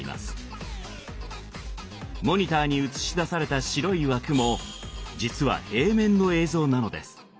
モニターに映し出された白い枠も実は平面の映像なのです。